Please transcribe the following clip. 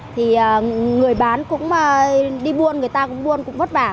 thì người bán cũng đi buôn người ta cũng buôn cũng vất vả